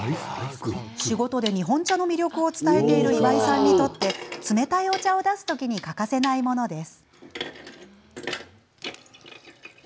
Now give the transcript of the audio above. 仕事で日本茶の魅力を伝えている岩井さんにとって冷たいお茶を出す時に欠かせないものです。